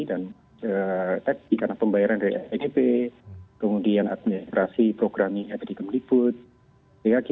dan tadi karena pembayaran dari apdp kemudian administrasi program ini ada di kementerian pertama pertama